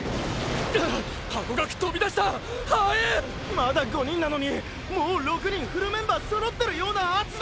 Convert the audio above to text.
まだ５人なのにもう６人フルメンバー揃ってるような圧だ！！